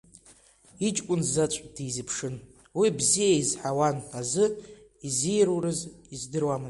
Иҷкәын заҵә дизԥшын, уи бзиа изҳауан азы, изиурыз издыруамызт.